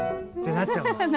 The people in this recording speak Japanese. なっちゃう。